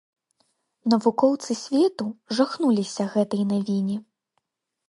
Навукоўцы свету жахнуліся гэтай навіне.